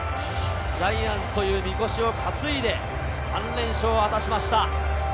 ジャイアンツというみこしを担いで３連勝を果たしました。